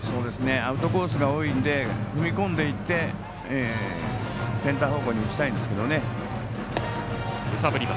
アウトコースが多いんで踏み込んでいってセンター方向に打ちたいんですけどね。